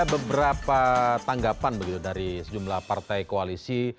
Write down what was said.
ada beberapa tanggapan begitu dari sejumlah partai koalisi